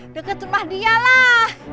dekat rumah dia lah